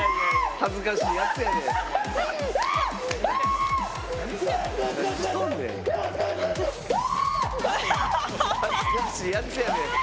恥ずかしいやつやで。